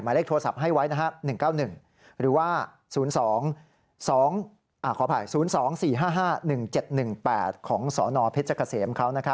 มาเลขโทรศัพท์ให้ไว้๑๙๑๐๒๔๕๕๑๗๑๘ของสนเพชรเกษม